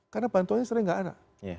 karena bantuan sering nggak ada